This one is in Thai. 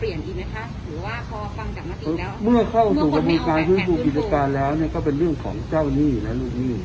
หรือว่าพอฟังจากมติแล้วเมื่อเข้าสู่กระบวนการฟื้นฟูกิจการแล้วเนี่ยก็เป็นเรื่องของเจ้าหนี้และลูกหนี้